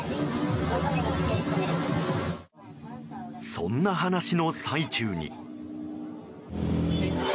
そんな話の最中に。